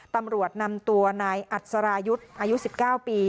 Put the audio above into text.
ตำรวจนำตัวนายอัศรายุทธ์อายุ๑๙ปี